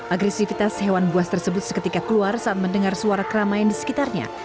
agresivitas hewan buas tersebut seketika keluar saat mendengar suara keramaian di sekitarnya